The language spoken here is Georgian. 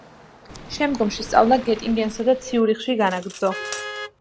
შემდგომში სწავლა გეტინგენსა და ციურიხში განაგრძო.